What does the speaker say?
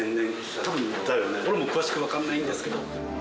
俺も詳しくわかんないんですけど。